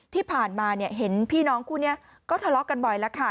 ที่ผ่านมาเนี่ยเห็นพี่น้องคู่นี้ก็ทะเลาะกันบ่อยแล้วค่ะ